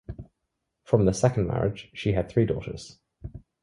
From this second marriage, she had three daughters.